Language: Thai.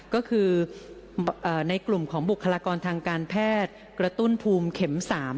ก็คือในกลุ่มของบุคลากรทางการแพทย์กระตุ้นภูมิเข็ม๓